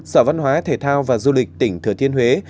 sở văn hóa thể thao và du lịch tỉnh thừa thiên huế